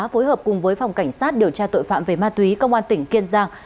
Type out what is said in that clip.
phối hợp cùng với phòng cảnh sát điều tra tội phạm về ma túy công an tỉnh kiên giang